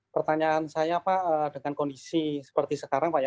pertanyaan saya pak dengan kondisi seperti sekarang pak ya